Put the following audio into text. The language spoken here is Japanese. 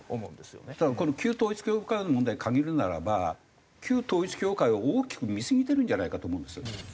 この旧統一教会の問題に限るならば旧統一教会を大きく見すぎてるんじゃないかと思うんですよね。